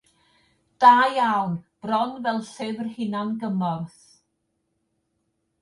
Da iawn, bron fel llyfr hunan-gymorth.